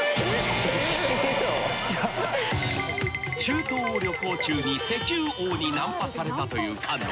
［中東を旅行中に石油王にナンパされたという彼女］